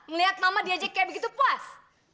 ngeliat mama diajak kayak begitu puas